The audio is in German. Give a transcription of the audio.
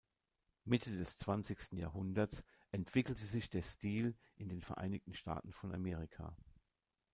Mitte des zwanzigsten Jahrhunderts entwickelte sich der Stil in den Vereinigten Staaten von Amerika.